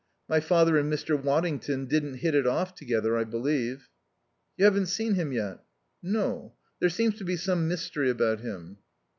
My father and Mr. Waddington didn't hit it off together, I believe." "You haven't seen him yet?" "No. There seems to be some mystery about him."